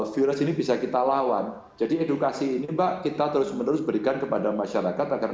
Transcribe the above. virus ini bisa kita lawan jadi edukasi ini mbak kita terus menerus berikan kepada masyarakat agar